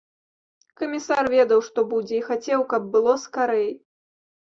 Камісар ведаў, што будзе, і хацеў, каб было скарэй.